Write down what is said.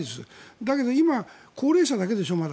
だけどまだ高齢者だけでしょ。